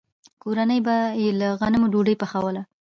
کورنۍ به یې له غنمو ډوډۍ پخوله.